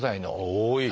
多い！